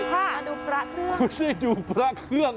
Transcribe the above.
แล้วดูพระเครื่อง